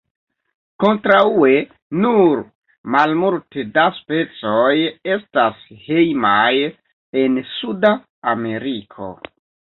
Kontraŭe nur malmulte da specoj estas hejmaj en suda Ameriko.